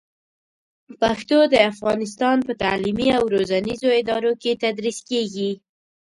پښتو د افغانستان په تعلیمي او روزنیزو ادارو کې تدریس کېږي.